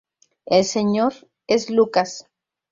El señor es Lucas.